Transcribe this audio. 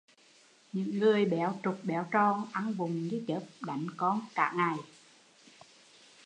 Những người béo trục béo tròn, ăn vụng như chớp, đánh con cả ngày